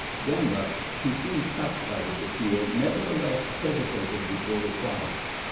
Gamba, who seemed touched by this appeal, nevertheless hesitated before replying.